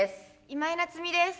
今井菜津美です。